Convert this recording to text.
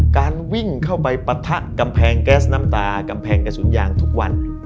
การวิ่งเข้าไปปะทะกำแพงแก๊สน้ำตากำแพงกระสุนยางทุกวัน